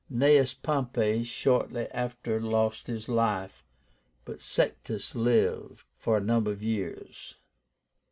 Gnaeus Pompey shortly after lost his life, but Sextus lived for a number of years.